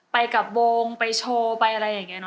ไปกับวงไปโชว์ไปอะไรอย่างนี้เน